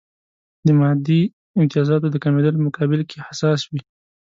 د مادي امتیازاتو د کمېدلو په مقابل کې حساس وي.